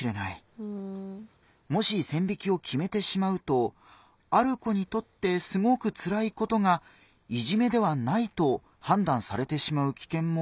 もし線引きを決めてしまうとある子にとってすごくつらいことがいじめではないと判断されてしまう危険もありますからね。